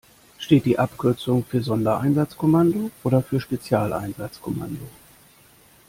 Steht die Abkürzung für Sondereinsatzkommando oder für Spezialeinsatzkommando?